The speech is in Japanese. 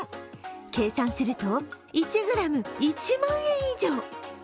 計算すると、１ｇ１万円以上！